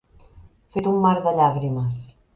Fet un mar de llàgrimes.